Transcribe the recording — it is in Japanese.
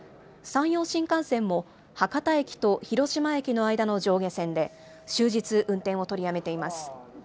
山陽新幹線も博多駅と広島駅の間の上下線で終日、運転を取りやめています。